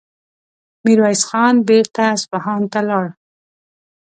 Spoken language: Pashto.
ميرويس خان بېرته اصفهان ته لاړ.